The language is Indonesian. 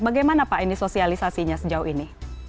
bagaimana pak ini sosialisasinya sejauh ini